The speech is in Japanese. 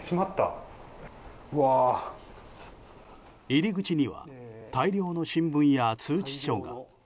入り口には大量の新聞や通知書が。